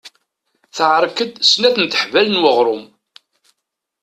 Teɛrek-d snat teḥbal n weɣrum.